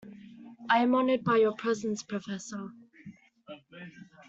I am honoured by your presence professor.